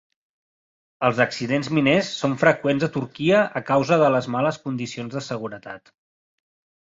Els accidents miners són freqüents a Turquia a causa de les males condicions de seguretat.